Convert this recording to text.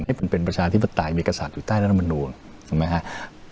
มันเป็นประชาธิบดายเมกษัตริย์อยู่ใต้รัฐบรรณวงศ์